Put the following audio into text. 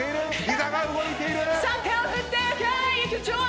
さあ手を振って。